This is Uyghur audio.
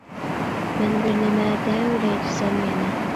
مەن بىر نېمە دەۋېرەي دېسەم يەنە.